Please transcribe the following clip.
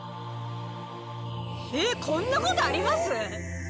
えっこんなことあります？